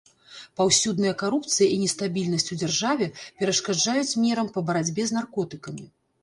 Паўсюдная карупцыя і нестабільнасць у дзяржаве перашкаджаюць мерам па барацьбе з наркотыкамі.